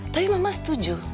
tapi mama setuju